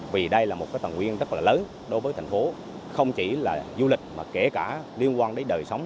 vì đây là một phần nguyên rất là lớn đối với thành phố không chỉ là du lịch mà kể cả liên quan đến đời sống